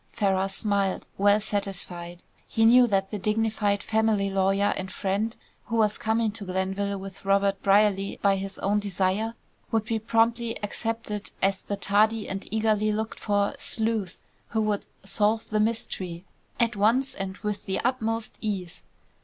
Ferrars smiled, well satisfied. He knew that the dignified family lawyer and friend, who was coming to Glenville with Robert Brierly by his own desire, would be promptly accepted as the tardy and eagerly looked for "sleuth" who would "solve the mystery" at once and with the utmost ease.